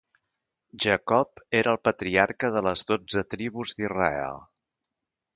Jacob era el patriarca de les dotze Tribus d'Israel.